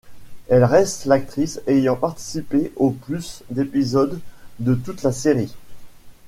Elle reste l'actrice ayant participé au plus d'épisodes de toute la série.